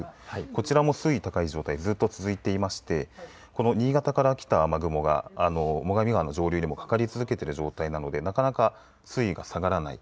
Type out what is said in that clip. こちらも水位が高い状態がずっと続いていまして新潟から来た、雨雲が最上川の上流にもかかり続けている状態なのでなかなか水位が下がらない。